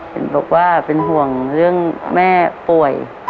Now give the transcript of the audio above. เห็นบอกว่าเป็นห่วงเรื่องแม่ป่วย